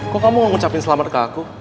kok kamu mau ngucapin selamat ke aku